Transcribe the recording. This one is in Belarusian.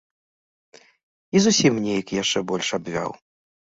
І зусім нейк яшчэ больш абвяў.